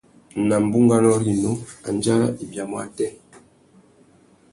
Nà bunganô rinú, andjara i biamú atê?